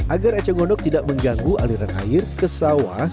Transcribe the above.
agar eceng gondok tidak mengganggu aliran air ke sawah